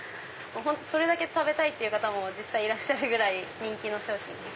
それだけ食べたいって方も実際いるぐらい人気の商品です。